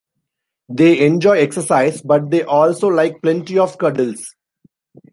They enjoy exercise, but they also like plenty of cuddles.